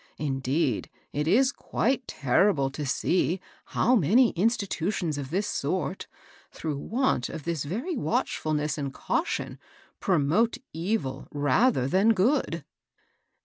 Indeed, it is quite terrible to see how many institutions of this sort, through want of this very watchfulness and caution, pro mote evil rather than good."